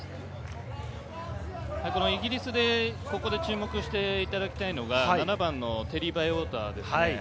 イギリスでここで注目していただきたいのが、７番のテリー・バイウォーターですね。